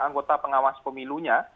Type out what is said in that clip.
anggota pengawas pemilunya